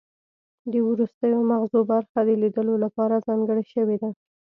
د وروستیو مغزو برخه د لیدلو لپاره ځانګړې شوې ده